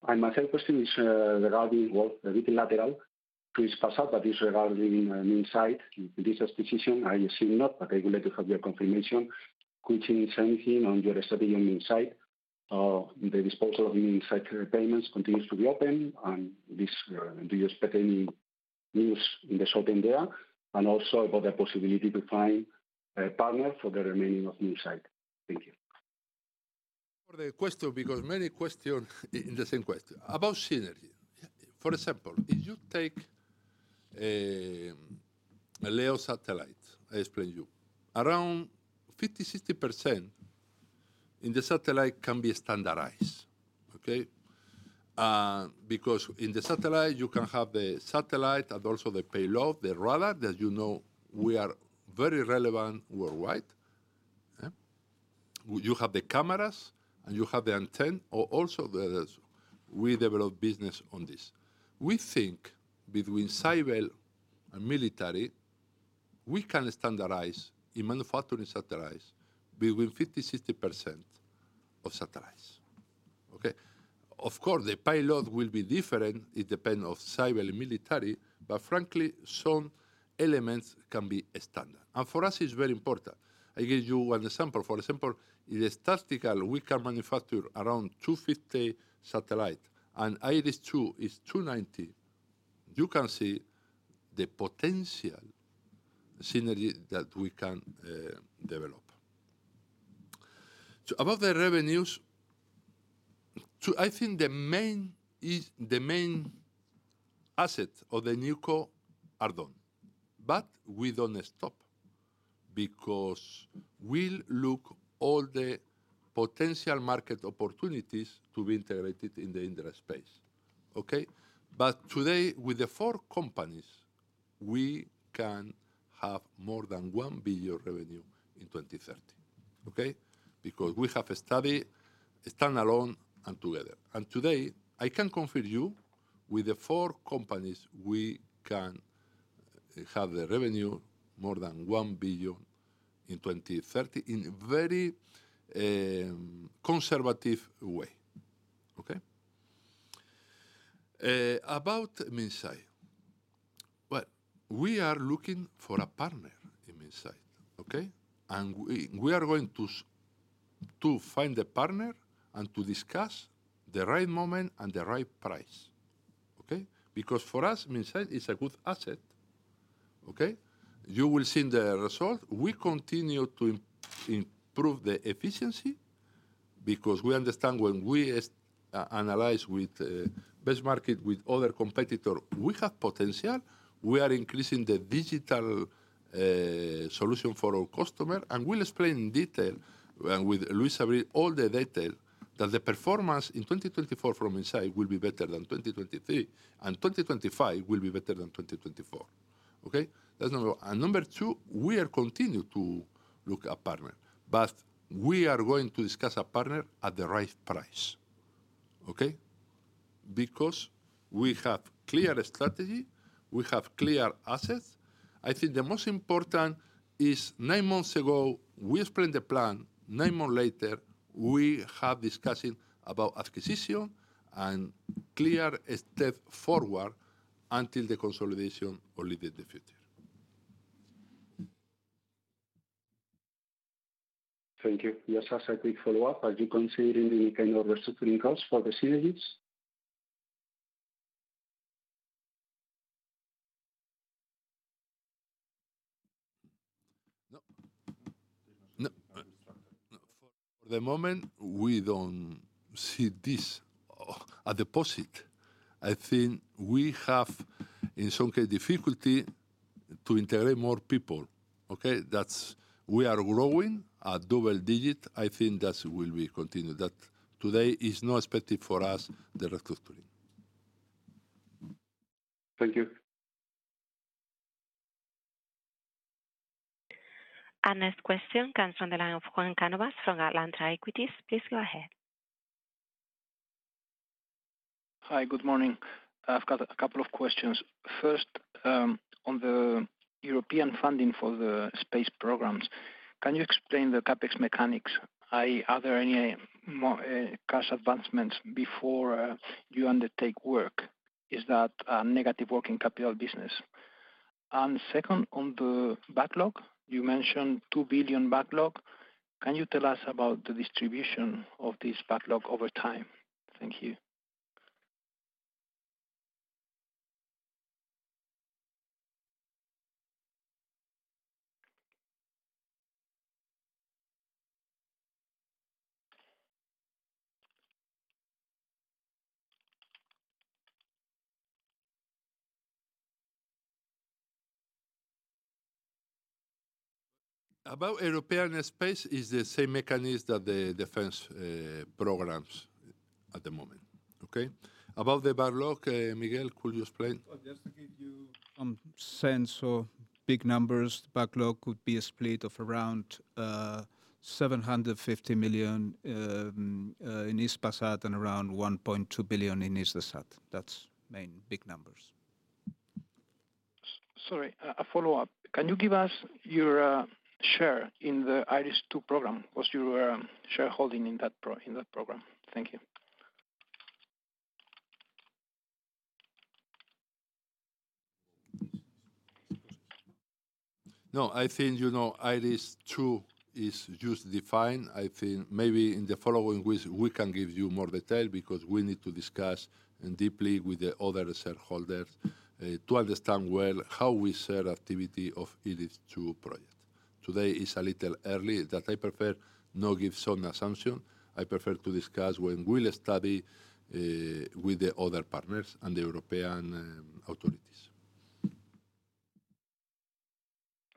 And my third question is regarding, well, a bit lateral to Hispasat, but is regarding Minsait in this acquisition. I assume not, but I would like to have your confirmation. Could you say anything on your strategy on Minsait? The disposal of Minsait payments continues to be open, and do you expect any news in the short term there? And also about the possibility to find a partner for the remaining of Minsait. Thank you for the question, because many questions in the same question about synergy. For example, if you take a LEO satellite, I explain to you, around 50%-60% in the satellite can be standardized, okay? Because in the satellite, you can have the satellite and also the payload, the radar that you know we are very relevant worldwide. You have the cameras and you have the antenna or also the. We develop business on this. We think between civil and military, we can standardize in manufacturing satellites between 50%-60% of satellites. Okay? Of course, the payload will be different. It depends on civil and military, but frankly, some elements can be standard. And for us, it's very important. I give you an example. For example, in the tactical, we can manufacture around 250 satellites. And IRIS² is 290. You can see the potential synergy that we can develop. So about the revenues, I think the main asset or the new core are done. But we don't stop because we'll look at all the potential market opportunities to be integrated in the Indra Space. Okay? But today, with the four companies, we can have more than 1 billion in revenue in 2030. Okay? Because we have a study standalone and together. And today, I can confirm to you with the four companies, we can have the revenue more than 1 billion in 2030 in a very conservative way. Okay? About Minsait. Well, we are looking for a partner in Minsait. Okay? And we are going to find a partner and to discuss the right moment and the right price. Okay? Because for us, Minsait is a good asset. Okay? You will see in the results, we continue to improve the efficiency because we understand when we analyze with benchmarking with other competitors, we have potential. We are increasing the digital solution for our customers, and we'll explain in detail and with Luis Abril all the detail that the performance in 2024 from Minsait will be better than 2023 and 2025 will be better than 2024. Okay? That's number one, and number two, we are continuing to look at a partner, but we are going to discuss a partner at the right price. Okay? Because we have a clear strategy, we have clear assets. I think the most important is nine months ago, we explained the plan. Nine months later, we have discussed about acquisition and clear steps forward until the consolidation or Leading the Future. Thank you. Just as a quick follow-up, are you considering any kind of restructuring costs for the synergies? No. For the moment, we don't see this at the positive. I think we have in some kind of difficulty to integrate more people. Okay? We are growing at double digit. I think that will be continued. That today is not expected for us, the restructuring. Thank you. And this question comes from the line of Juan Cánovas from Atlanta Equities. Please go ahead. Hi, good morning. I've got a couple of questions. First, on the European funding for the space programs, can you explain the CapEx mechanics? Are there any cash advancements before you undertake work? Is that a negative working capital business? And second, on the backlog, you mentioned 2 billion backlog. Can you tell us about the distribution of this backlog over time? Thank you. About European space, it's the same mechanism that the defense programs at the moment. Okay? About the backlog, Miguel, could you explain. Just to give you some sense of big numbers, the backlog could be split of around 750 million in Hispasat and around 1.2 billion in Hispasat. That's main big numbers. Sorry, a follow-up. Can you give us your share in the IRIS² program? What's your shareholding in that program? Thank you. No, I think IRIS² is just defined. I think maybe in the following weeks, we can give you more detail because we need to discuss deeply with the other shareholders to understand well how we share activity of IRIS² project. Today is a little early that I prefer not to give some assumption. I prefer to discuss when we'll study with the other partners and the European authorities.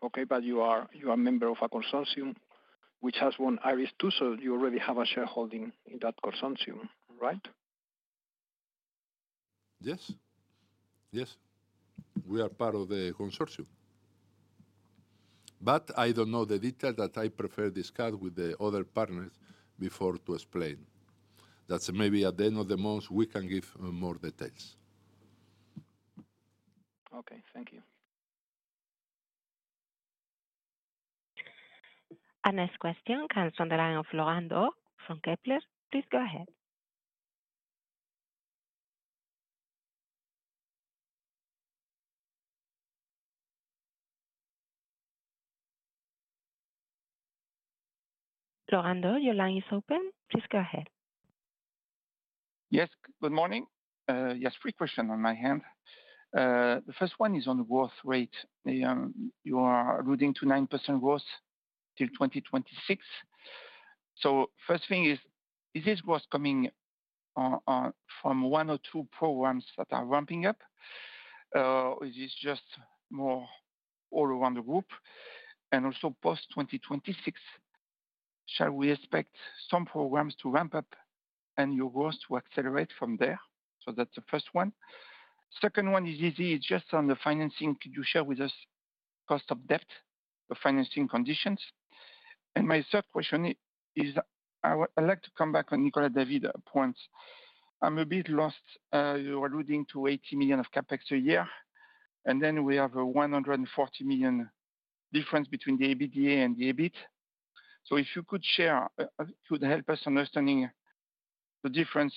Okay, but you are a member of a consortium which has won IRIS², so you already have a shareholding in that consortium, right? Yes. Yes. We are part of the consortium. But I don't know the details that I prefer to discuss with the other partners before to explain. That's maybe at the end of the month; we can give more details. Okay, thank you. And this questioncomes from the line of Laurent Daure from Kepler. Please go ahead. Laurent, your line is open. Please go ahead. Yes, good morning. Yes, three questions on my mind. The first one is on the growth rate. You are alluding to 9% growth till 2026. So first thing is, is this growth coming from one or two programs that are ramping up? Is it just more all around the group? And also post-2026, shall we expect some programs to ramp up and your growth to accelerate from there? So that's the first one. Second one is easy. It's just on the financing. Could you share with us the cost of debt, the financing conditions? And my third question is, I'd like to come back on Nicolas David's points. I'm a bit lost. You're alluding to 80 million of Capex a year. And then we have a 140 million difference between the EBITDA and the EBIT. So if you could share, could help us understanding the difference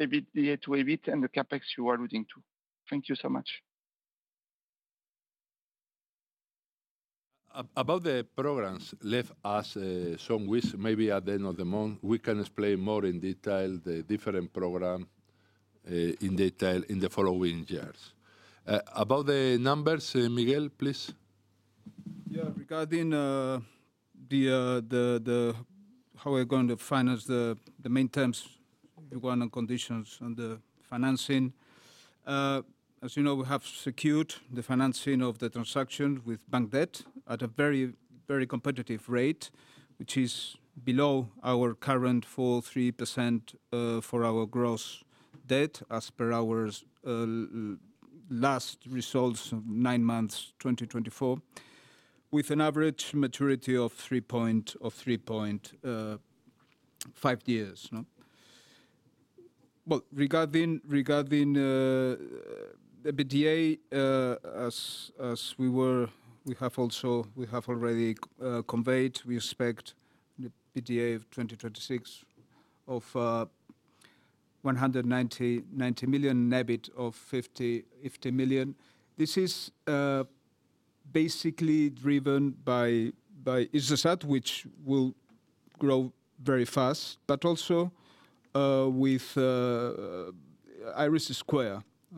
EBITDA to EBIT and the Capex you are alluding to. Thank you so much. About the programs, give us some weeks. Maybe at the end of the month, we can explain more in detail the different programs in detail in the following years. About the numbers, Miguel, please. Yeah, regarding how we're going to finance the main terms, the one-on-one conditions and the financing. As you know, we have secured the financing of the transaction with bank debt at a very, very competitive rate, which is below our current 4.3% for our gross debt as per our last results of nine months 2024, with an average maturity of 3.5 years. Regarding the EBITDA, as we have already conveyed, we expect the EBITDA of 2026 of 190 million and EBIT of 50 million. This is basically driven by Hisdesat, which will grow very fast, but also with IRIS²,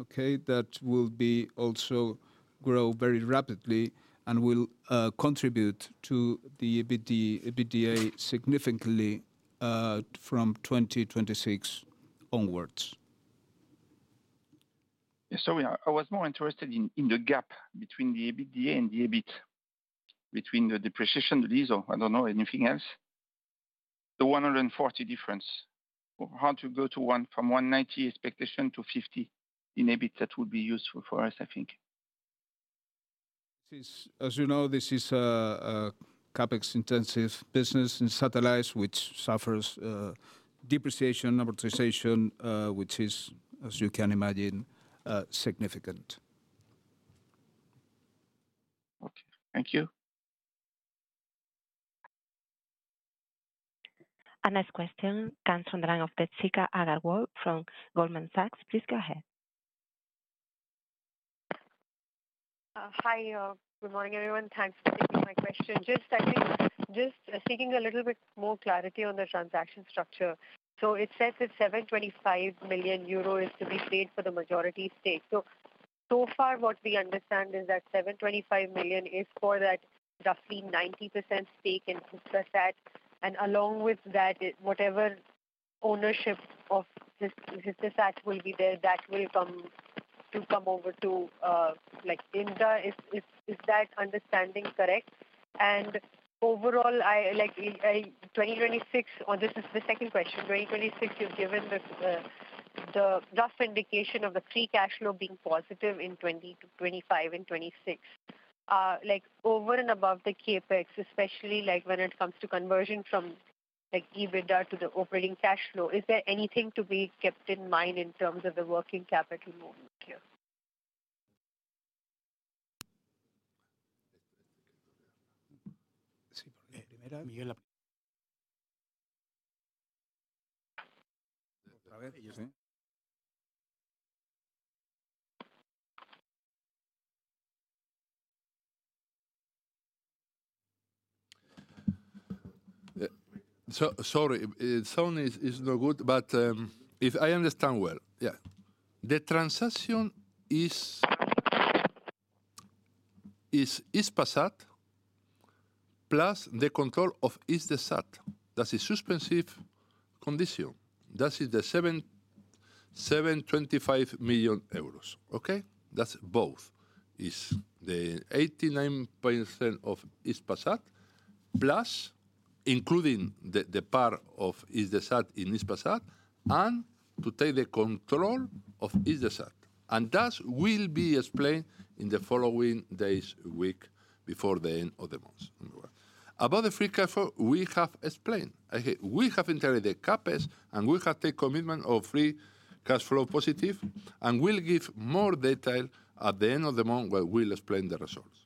okay, that will also grow very rapidly and will contribute to the EBITDA significantly from 2026 onwards. Sorry, I was more interested in the gap between the EBITDA and the EBIT, between the depreciation, the lease, or I don't know anything else. The 140 difference, how to go from 190 expectation to 50 in EBIT, that would be useful for us, I think. As you know, this is a CapEx-intensive business in satellites, which suffers depreciation, amortization, which is, as you can imagine, significant. Okay, thank you. And this question comes from the line of Tritika Agarwal from Goldman Sachs. Please go ahead. Hi, good morning, everyone. Thanks for taking my question. Just speaking a little bit more clarity on the transaction structure. So it says that 725 million euro is to be paid for the majority stake. So far, what we understand is that 725 million is for that roughly 90% stake in Hispasat. And along with that, whatever ownership of Hispasat will be there, that will come over to Indra. Is that understanding correct? And overall, 2026, or this is the second question, 2026, you've given the rough indication of the free cash flow being positive in 2025 and 2026. Over and above the CapEx, especially when it comes to conversion from EBITDA to the operating cash flow, is there anything to be kept in mind in terms of the working capital movement here? Sorry, the sound is not good, but if I understand well, yeah. The transaction is Hispasat plus the control of Hispasat. That's a suspensive condition. That is the 725 million euros. Okay? That's both. It's the 89% of Hispasat plus including the part of Hispasat in Hispasat and to take the control of Hispasat. And that will be explained in the following days, week, before the end of the month. About the free cash flow, we have explained. We have integrated the CapEx, and we have taken commitment of free cash flow positive, and we'll give more detail at the end of the month when we'll explain the results.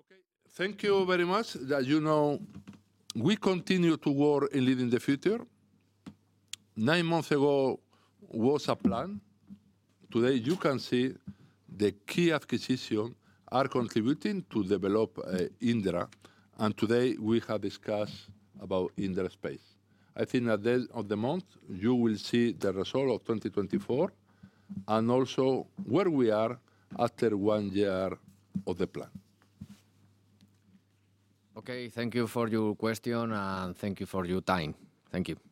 Okay. Thank you very much. As you know, we continue to work in Leading the Future. Nine months ago was a plan. Today, you can see the key acquisitions are contributing to develop Indra. Today, we have discussed about Indra Space. I think at the end of the month, you will see the result of 2024 and also where we are after one year of the plan. Okay, thank you for your question, and thank you for your time. Thank you.